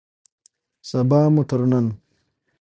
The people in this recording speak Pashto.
سبا مو تر نن